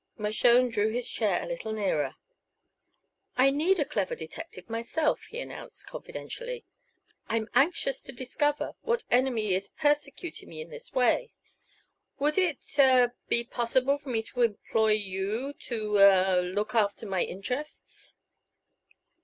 Mershone drew his chair a little nearer. "I need a clever detective myself," he announced, confidentially. "I'm anxious to discover what enemy is persecuting me in this way. Would it er be impossible for me to employ you to er look after my interests?"